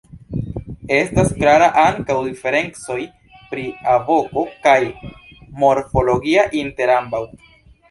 Estas klara ankaŭ diferencoj pri alvoko kaj morfologia inter ambaŭ.